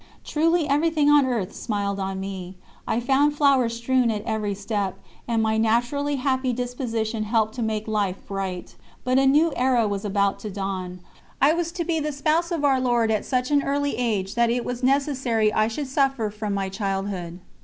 Truly everything on earth smiled on me; I found flowers strewn at every step, and my naturally happy disposition helped to make life bright. But a new era was about to dawn. I was to be the Spouse of Our Lord at such an early age that it was necessary I should suffer from my childhood.